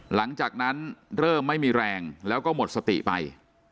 หลังจากนั้นเริ่มไม่มีแรงแล้วก็หมดสติไป